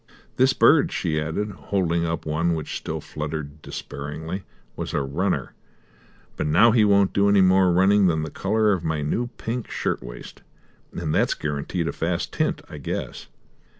"This bird," she added, holding up one which still fluttered despairingly, "was a runner, but now he won't do any more running than the colour of my new pink shirt waist; and that's guaranteed a fast tint, I guess."